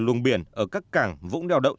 luồng biển ở các càng vũng neo đậu